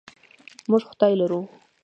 موږ خدای لرو.